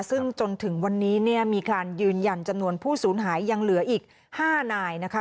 ซึ่งจนถึงวันนี้เนี่ยมีการยืนยันจำนวนผู้สูญหายยังเหลืออีก๕นายนะคะ